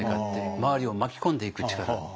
周りを巻き込んでいく力。